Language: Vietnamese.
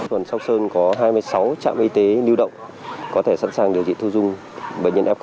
toàn sóc sơn có hai mươi sáu trạm y tế lưu động có thể sẵn sàng điều trị thu dung bệnh nhân f